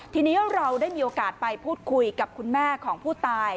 ทีนี้เราได้มีโอกาสไปพูดคุยกับคุณแม่ของผู้ตาย